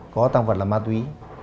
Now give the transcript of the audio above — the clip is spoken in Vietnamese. có tăng vật là ma túy